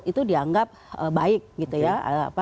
itu dianggap baik gitu ya